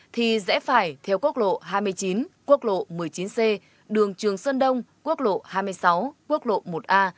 thì dễ phải theo quốc lộ hai mươi chín quốc lộ một mươi chín c đường trường sơn đông quốc lộ hai mươi sáu quốc lộ một a